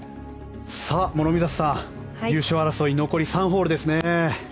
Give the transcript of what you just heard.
諸見里さん、優勝争い残り３ホールですね。